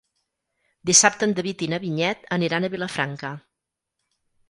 Dissabte en David i na Vinyet aniran a Vilafranca.